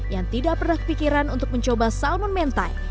yang tidak pernah kepikiran untuk mencoba salmon mentai